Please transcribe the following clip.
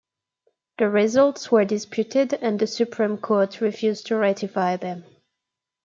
The results were disputed and the Supreme Court refused to ratify them.